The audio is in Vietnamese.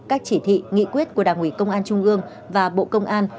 các chỉ thị nghị quyết của đảng ủy công an trung ương và bộ công an